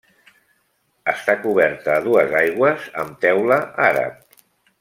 Està coberta a dues aigües amb teula àrab.